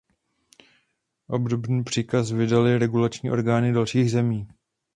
Obdobný příkaz vydaly regulační orgány dalších zemí.